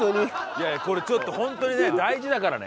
いやいやこれちょっとホントにね大事だからね。